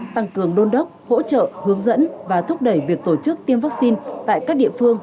tăng cường đôn đốc hỗ trợ hướng dẫn và thúc đẩy việc tổ chức tiêm vaccine tại các địa phương